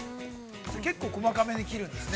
◆結構細かめに切るんですね。